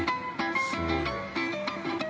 すごいね。